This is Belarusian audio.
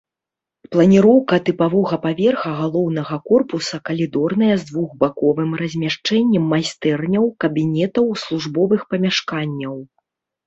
Планіроўка тыпавога паверха галоўнага корпуса калідорная з двухбаковым размяшчэннем майстэрняў, кабінетаў, службовых памяшканняў.